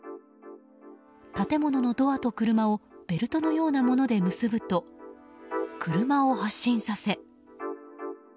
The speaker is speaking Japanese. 建物のドアと車をベルトのようなもので結ぶと車を発進させ。